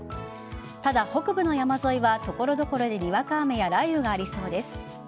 ただ、北部の山沿いは所々でにわか雨や雷雨がありそうです。